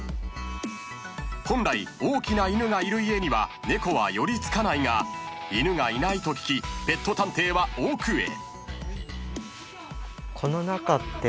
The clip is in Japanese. ［本来大きな犬がいる家には猫は寄り付かないが犬がいないと聞きペット探偵は奥へ］